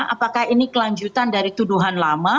apakah ini kelanjutan dari tuduhan lama